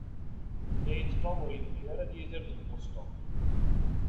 Yenna-iyi-d Tom ur yebɣi ara ad yidir deg Boston.